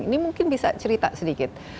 ini mungkin bisa cerita sedikit